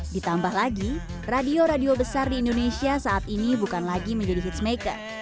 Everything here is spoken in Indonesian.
ditambah lagi radio radio besar di indonesia saat ini bukan lagi menjadi hitsmaker